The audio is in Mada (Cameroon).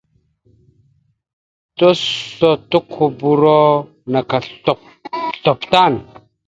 Tusotokoboro naka slop slop tan.